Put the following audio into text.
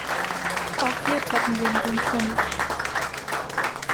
Auch hier tappen wir im dunkeln.